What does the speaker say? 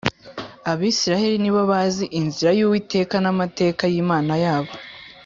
Abisiraheli ni bo bazi inzira y’ Uwiteka n ‘amateka y ‘Imana yabo